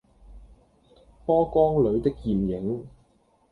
波光裡的艷影